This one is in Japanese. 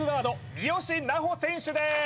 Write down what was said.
三好南穂選手です